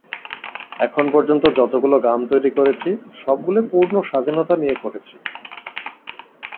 এখন পর্যন্ত যতগুলো গান তৈরি করেছি, সবগুলোই পূর্ণ স্বাধীনতা নিয়ে করেছি।